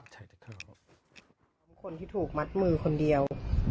ทั้งคนที่ถูกมัดมือคนเดียว